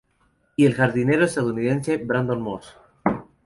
Y el jardinero estadounidense Brandon Moss.